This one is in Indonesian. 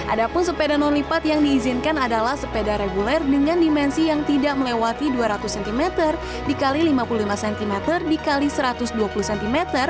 ada pun sepeda non lipat yang diizinkan adalah sepeda reguler dengan dimensi yang tidak melewati dua ratus cm x lima puluh lima cm x seratus cm